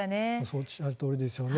おっしゃるとおりですよね。